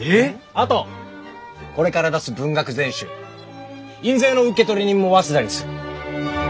あとこれから出す文学全集印税の受取人も早稲田にする。